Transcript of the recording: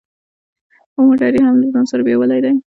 هو موټر يې هم له ځان سره بيولی دی.